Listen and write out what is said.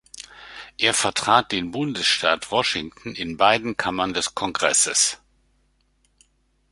Er vertrat den Bundesstaat Washington in beiden Kammern des Kongresses.